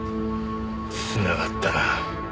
つながったな。